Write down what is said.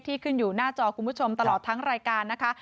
ขึ้นอยู่หน้าจอคุณผู้ชมตลอดทั้งรายการนะคะ